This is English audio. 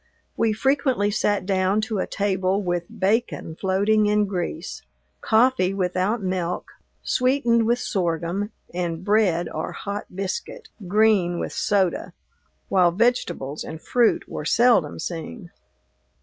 We frequently sat down to a table with bacon floating in grease, coffee without milk, sweetened with sorghum, and bread or hot biscuit, green with soda, while vegetables and fruit were seldom seen.